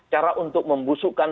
cara untuk membusukkan